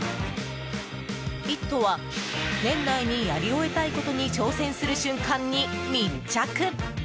「イット！」は年内にやり終えたいことに挑戦する瞬間に密着！